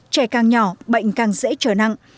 trẻ càng nhỏ bệnh càng dễ trở nặng